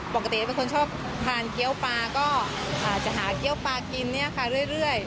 ปกติเป็นคนชอบทานเกี๊ยวปลาก็จะหาเกี๊ยวปลากินเรื่อย